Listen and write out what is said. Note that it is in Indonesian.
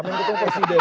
yang ketemu presiden